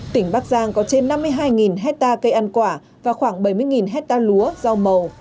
tỉnh bắc giang có trên năm mươi hai hectare cây ăn quả và khoảng bảy mươi hectare lúa rau màu